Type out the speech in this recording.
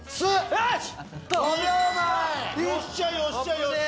よし‼よっしゃよっしゃよっしゃ。